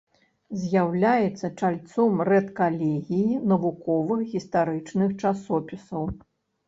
З'яўляецца чальцом рэдкалегіі навуковых гістарычных часопісаў.